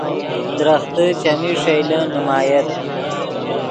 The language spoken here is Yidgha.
درختے چیمی ݰئیلے نیمایت